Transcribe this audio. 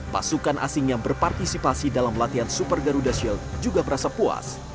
pasukan asing yang berpartisipasi dalam latihan super garuda shield juga merasa puas